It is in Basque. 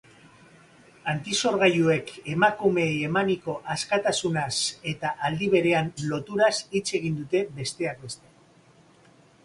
Antisorgailuek emakumeei emaniko askatasunaz eta aldi berean loturaz hitz egin dute besteak beste.